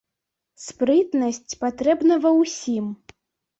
Спрытнасць патрэбна ва ўсім.